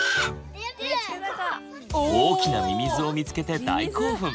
大きなミミズを見つけて大興奮！